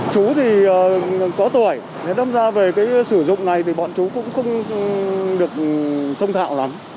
chú thì có tuổi đâm ra về cái sử dụng này thì bọn chúng cũng không được thông thạo lắm